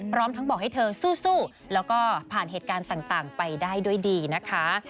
พร้อมทั้งบอกให้เธอสู้แล้วก็ผ่านเหตุการณ์ต่างไปได้ด้วยดีนะคะ